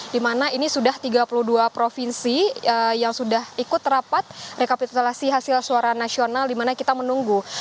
di mana ini sudah tiga puluh dua provinsi yang sudah ikut rapat rekapitulasi hasil suara nasional di mana kita menunggu